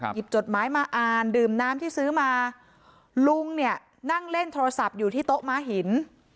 จดหมายมาอ่านดื่มน้ำที่ซื้อมาลุงเนี่ยนั่งเล่นโทรศัพท์อยู่ที่โต๊ะม้าหิน